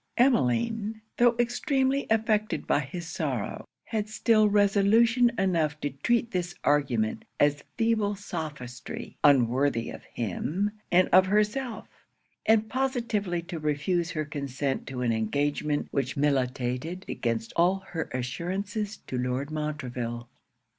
Emmeline, tho' extremely affected by his sorrow, had still resolution enough to treat this argument as feeble sophistry, unworthy of him and of herself; and positively to refuse her consent to an engagement which militated against all her assurances to Lord Montreville.